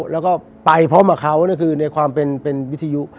แล้วก็ไปพร้อมกับเขานั่นคือในความเป็นวิทยุ